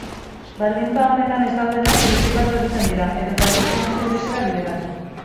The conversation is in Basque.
Baldintza onetan ez daudenak birziklatu egiten dira, edota edukiontzi grisera bideratu.